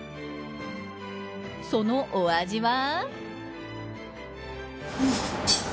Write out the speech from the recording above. そのお味は。